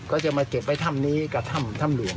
พร้อมซีอมาเก็บไปถ้ำนี้กับท่ำหลวง